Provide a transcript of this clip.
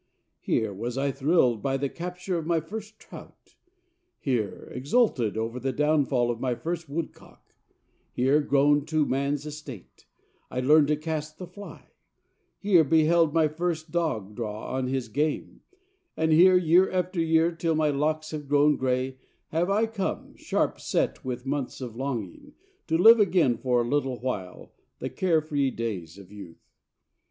Here was I thrilled by the capture of my first trout; here exulted over the downfall of my first woodcock; here, grown to man's estate, I learned to cast the fly; here beheld my first dog draw on his game, and here, year after year, till my locks have grown gray, have I come, sharp set with months of longing, to live again for a little while the carefree days of youth.